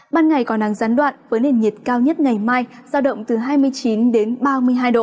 ban ngày có nắng gián đoạn với nền nhiệt cao nhất ngày mai giao động từ hai mươi chín ba mươi hai độ